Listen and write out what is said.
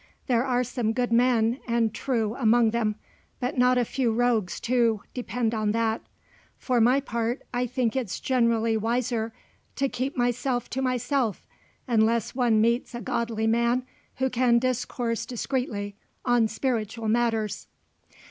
"There are some good men and true among them, but not a few rogues too, depend on that. For my part, I think it's generally wiser to keep myself to myself, unless one meets a godly man who can discourse discreetly on spiritual matters."